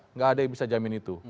nggak ada yang bisa jamin itu